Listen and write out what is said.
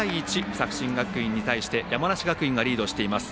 作新学院に対して山梨学院がリードをしています。